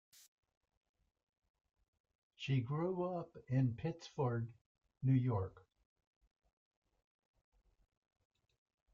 She grew up in Pittsford, New York.